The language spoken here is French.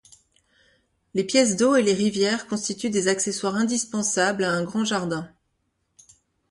Les pièces d’eau et les rivières constituent des accessoires indispensables à un grand jardin.